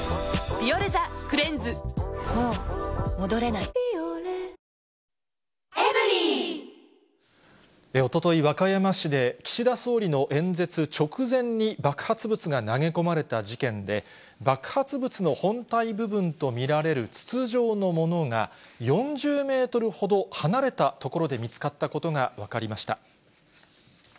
「ビオレ」おととい、和歌山市で岸田総理の演説直前に爆発物が投げ込まれた事件で、爆発物の本体部分と見られる筒状のものが、４０メートルほど離れた所で見つかったことが分かりました。